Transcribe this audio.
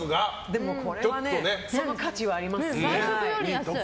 でもこれはその価値はあります。